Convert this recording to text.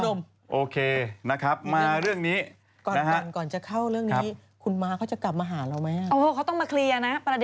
โทษนะไงพี่พี่ถมมาแล้วรอที่แล้ว